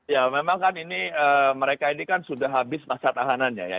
ya memang kan ini mereka ini kan sudah habis masa tahanannya ya